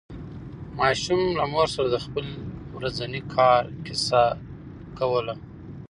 ماشوم له مور سره د خپل ورځني کار کیسه کوله